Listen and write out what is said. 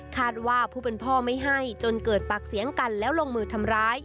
คาดว่าผู้เป็นพ่อไม่ให้จนเกิดปากเสียงกันแล้วลงมือทำร้าย